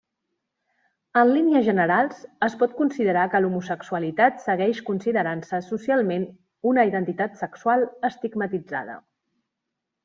En línies generals es pot considerar que l'homosexualitat segueix considerant-se socialment una identitat sexual estigmatitzada.